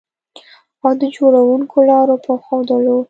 او د جوړوونکو لارو په ښودلو